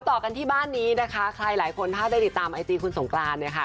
ต่อกันที่บ้านนี้นะคะใครหลายคนถ้าได้ติดตามไอจีคุณสงกรานเนี่ยค่ะ